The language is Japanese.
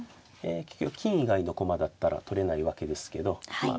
結局金以外の駒だったら取れないわけですけどまあ